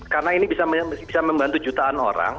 karena ini bisa membantu jutaan orang